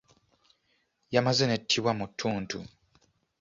Yamaze n'ettibwa mu ttuntu.